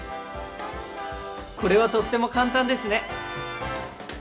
これはとっても簡単ですね！